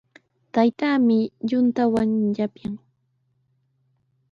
Taytaami yuntawan yapyan.